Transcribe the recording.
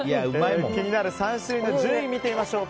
気になる３種類の順位を見てみましょう。